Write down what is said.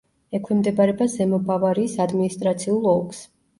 ექვემდებარება ზემო ბავარიის ადმინისტრაციულ ოლქს.